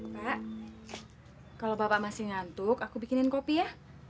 pak kalau bapak masih ngantuk aku bikinin kopi ya